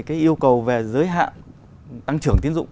cái yêu cầu về giới hạn tăng trưởng tiến dụng